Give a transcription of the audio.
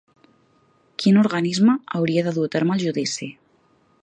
Quin organisme hauria de dur a terme el judici?